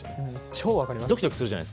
超分かります。